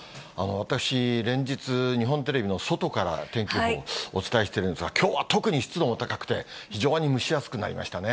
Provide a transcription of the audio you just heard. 私、連日、日本テレビの外から天気予報お伝えしてるんですが、きょうは特に湿度も高くて、非常に蒸し暑くなりましたね。